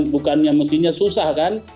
bukan yang mestinya susah kan